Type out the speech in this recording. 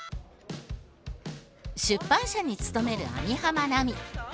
出版社に勤める網浜奈美。